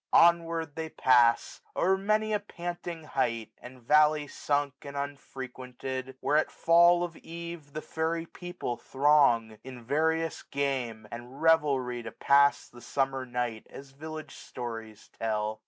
Onward they pass, o'er many a panting height, 1670 And valley sunk, and unfrequented ; where At fall of eve, the fairy people throng. In various game, and revelry, to pass The summer night, as village stories tell.